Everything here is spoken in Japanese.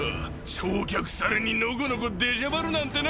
焼却されにのこのこ出しゃばるなんてな。